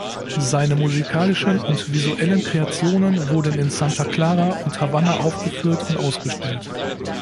Seine musikalischen und visuellen Kreationen wurden in Santa Clara und Havanna aufgeführt und ausgestellt.